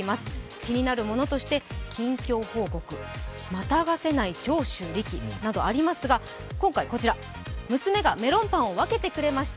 気になるものとして近況報告、跨がせない長州力などありますが、今回、娘がメロンパンを分けてくれました。